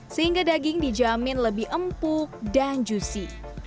sehingga daging dijamin lebih empuk dan juicy